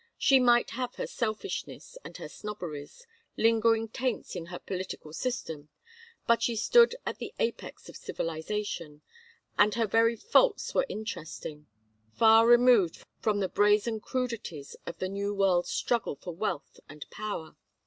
She might have her selfishness and her snobberies, lingering taints in her political system, but she stood at the apex of civilization, and her very faults were interesting; far removed from the brazen crudities of the New World's struggle for wealth and power.